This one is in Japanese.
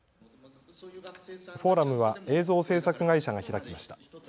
フォーラムは映像制作会社が開きました。